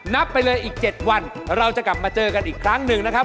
นับไปเลยอีก๗วันเราจะกลับมาเจอกันอีกครั้งหนึ่งนะครับ